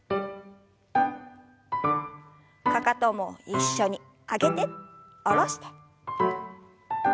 かかとも一緒に上げて下ろして。